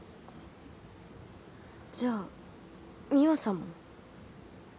じゃあ美和さんも？